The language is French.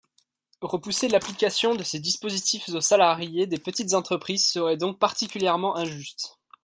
Repousser l’application de ces dispositifs aux salariés des petites entreprises serait donc particulièrement injuste.